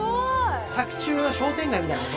作中の商店街みたいなとこ？